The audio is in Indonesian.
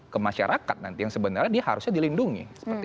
ke masyarakat nanti yang sebenarnya dia harusnya dilindungi